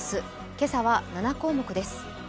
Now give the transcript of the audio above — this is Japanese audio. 今朝は７項目です。